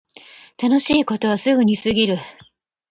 楽しいことはすぐに過ぎる